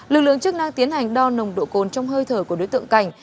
lực lượng chức năng tiến hành đo nồng độ cồn trong hơi thở của đối tượng cảnh